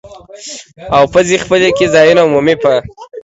او پزې خپلې کې ځایونو عمومي په